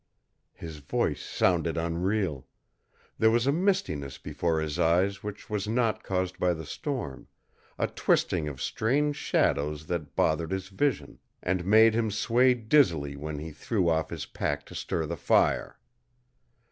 His voice sounded unreal. There was a mistiness before his eyes which was not caused by the storm, a twisting of strange shadows that bothered his vision, and made him sway dizzily when he threw off his pack to stir the fire.